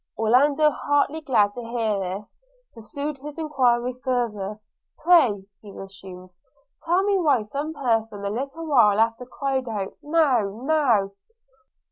Orlando, heartily glad to hear this, pursued his enquiry farther. 'Pray,' resumed he, 'tell me why some person a little while after cried out Now! now!'